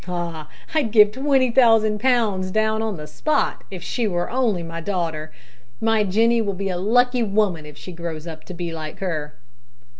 Ah! I'd give twenty thousand pounds down on the spot if she were only my daughter. My Jenny will be a lucky woman if she grows up to be like her."